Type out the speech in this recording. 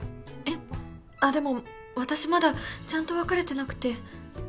えっあっでも私まだちゃんと別れてなくて。